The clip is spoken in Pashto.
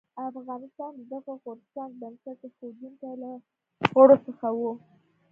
افغانستان د دغه غورځنګ بنسټ ایښودونکو له غړو څخه و.